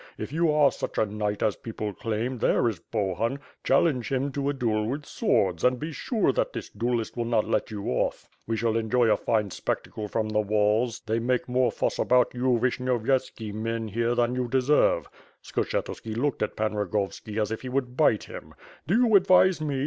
If you are such a knight as people claim, there is Bohun; challenge him to a duel with swords, and be sure that this duellist will not let you off. We shall enjoy a fine spectacle from the walls, they make more fuss about you Vishnyovyetski men here than you deserve.' Skshetuski looked at Pan Rogovski as if he would bite him 'Do you ad vise me?'